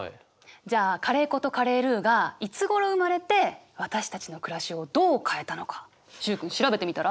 じゃあカレー粉とカレールーがいつごろ生まれて私たちの暮らしをどう変えたのか習君調べてみたら？